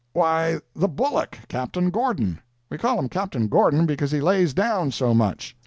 "Why, the bullock—Captain Gordon. We call him Captain Gordon because he lays down so much."